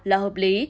là hợp lý